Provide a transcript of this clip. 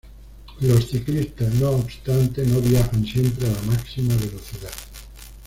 Los ciclistas, no obstante, no viajan siempre a la máxima velocidad.